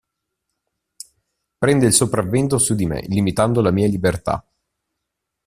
Prende il sopravvento su di me limitando la mia libertà.